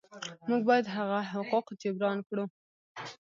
موږ باید هغه حقوق جبران کړو.